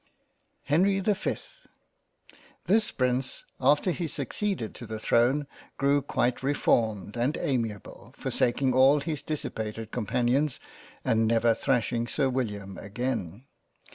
HENRY the 5th THIS Prince after he succeeded to the throne grew quite reformed and amiable, forsaking all his dis sipated companions, and never thrashing Sir William again.